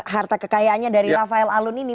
harta kekayaannya dari rafael alun ini